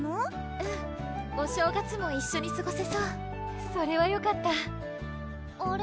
うんお正月も一緒にすごせそうそれはよかったあれ？